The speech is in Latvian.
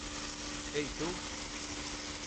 Ei, tu!